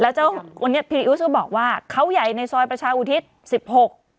แล้วเจ้าวันนี้พีอิสก็บอกว่าเขาใหญ่ในซอยประชาอุทิศสิบหก